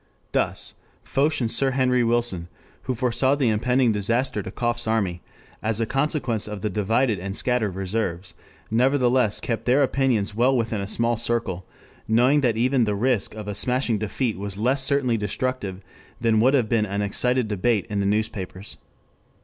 ] Thus Foch and Sir Henry Wilson, who foresaw the impending disaster to Cough's army, as a consequence of the divided and scattered reserves, nevertheless kept their opinions well within a small circle, knowing that even the risk of a smashing defeat was less certainly destructive, than would have been an excited debate in the newspapers.